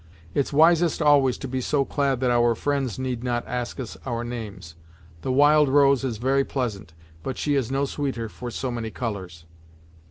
It's wisest always to be so clad that our friends need not ask us for our names. The 'Wild Rose' is very pleasant, but she is no sweeter for so many colours."